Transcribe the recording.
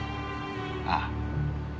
ああ。